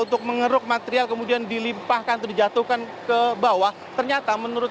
untuk mengeruk material kemudian dilimpahkan atau dijatuhkan ke bawah ternyata menurut